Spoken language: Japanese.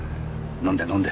飲んで飲んで。